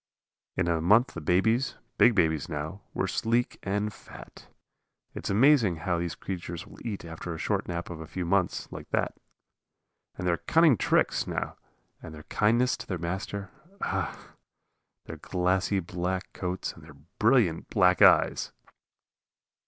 In a month the babies, big babies now, were sleek and fat. It is amazing how these creatures will eat after a short nap of a few months, like that. And their cunning tricks, now! And their kindness to their master! Ah! their glossy black coats and their brilliant black eyes!